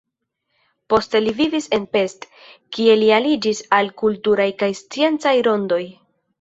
Poste li vivis en Pest, kie li aliĝis al kulturaj kaj sciencaj rondoj.